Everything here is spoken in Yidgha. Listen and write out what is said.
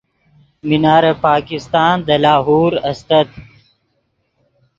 مینار پاکستان دے لاہور استت